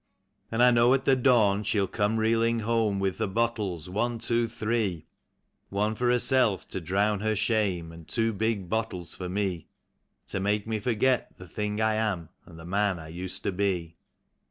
And I know at the dawn she'll come reeling home with the bottles, one, two, three; One for herself to drown her shame, and two big bottles for me, To make me forget the thing I am and the man I used to be.